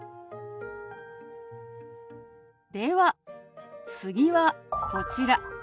では次はこちら。